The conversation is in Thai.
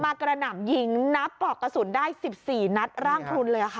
กระหน่ำยิงนับปลอกกระสุนได้๑๔นัดร่างพลุนเลยค่ะ